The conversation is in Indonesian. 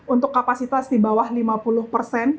untuk kapasitas di bawah lima puluh persen